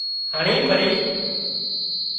هڻي پرِي